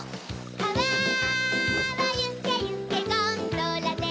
かわをゆけゆけゴンドラで